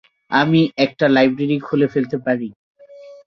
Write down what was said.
আমি একটা লাইব্রেরি খুলে ফেলতে পারি।